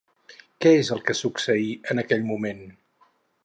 Què és el que succeí en aquell moment?